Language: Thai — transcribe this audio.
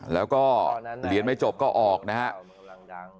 แล้วก็เรียนไม่จบก็ออกนะครับ